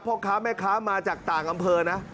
พ่อค้าแม่ค้ามาจากต่างอำเภอนะ